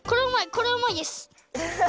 これおもいです。